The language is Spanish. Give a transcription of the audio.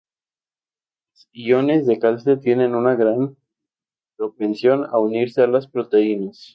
Los iones de calcio tienen una gran propensión a unirse a las proteínas.